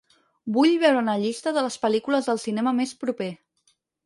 Vull veure una llista de les pel·lícules del cinema més proper